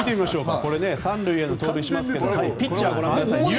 ３塁へ盗塁しますがピッチャーを見てください。